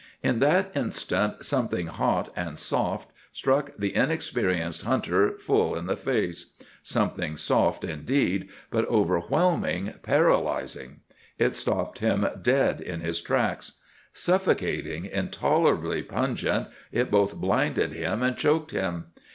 In that instant something hot and soft struck the inexperienced hunter full in the face—something soft, indeed, but overwhelming, paralyzing. It stopped him dead in his tracks. Suffocating, intolerably pungent, it both blinded him and choked him.